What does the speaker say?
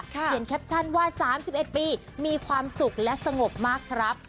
เขียนแคปชั่นว่า๓๑ปีมีความสุขและสงบมากครับ